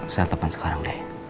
saat depan sekarang deh